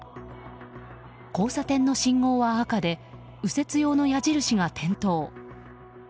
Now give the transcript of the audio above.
交差点の信号は赤で右折用の矢印が点灯。